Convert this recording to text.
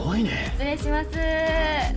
失礼します。